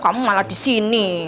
kamu malah di sini